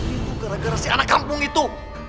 itu gara gara si anak kampung itu